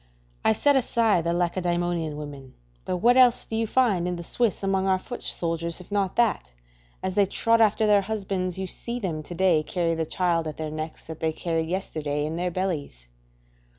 I set aside the Lacedaemonian women, but what else do you find in the Swiss among our foot soldiers, if not that, as they trot after their husbands, you see them to day carry the child at their necks that they carried yesterday in their bellies?